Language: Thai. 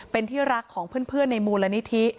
เป็นที่รักของเพื่อนในมูลนิธิ